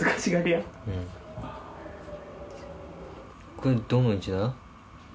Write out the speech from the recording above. これどの位置なの？